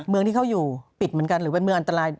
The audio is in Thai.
เมืองที่เขาอยู่ปิดเหมือนกันหรือเป็นเมืองอันตราย